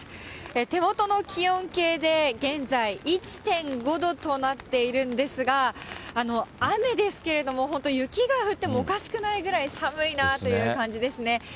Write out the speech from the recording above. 手元の気温計で現在１．５度となっているんですが、雨ですけれども、本当雪が降ってもおかしくないぐらい、寒いなあという感じですね。